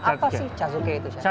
apa sih cazuki itu chef